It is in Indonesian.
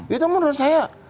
itu menurut saya